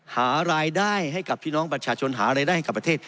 หารายได้ให้กับพี่น้องประชาชนหารายได้ให้กับประเทศ